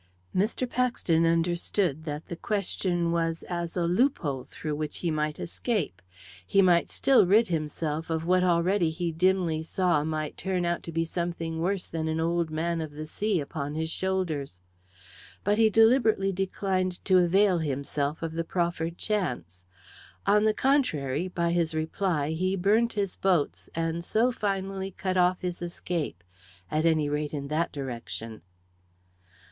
Mr. Paxton understood that the question was as a loophole through which he might escape. He might still rid himself of what already he dimly saw might turn out to be something worse than an Old Man of the Sea upon his shoulders. But he deliberately declined to avail himself of the proffered chance. On the contrary, by his reply he burnt his boats, and so finally cut off his escape at any rate in that direction.